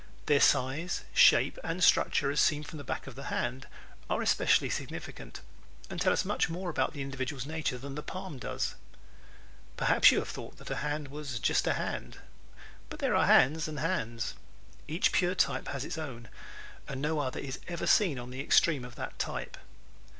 Their size, shape and structure as seen from the back of the hand are especially significant and tell us much more about the individual's nature than the palm does. Perhaps you have thought that a hand was just a hand. But there are hands and hands. Each pure type has its own and no other is ever seen on the extreme of that type.